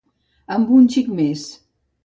Amb un xic més.